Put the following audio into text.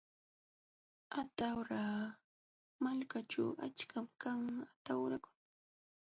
Atawra malkaćhu achkam kan atawrakuna.